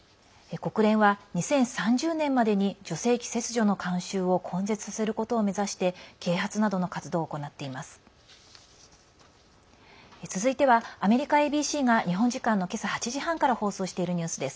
国連は２０３０年までに女性器切除の慣習を根絶させることを目指して啓発などの活動を行っています。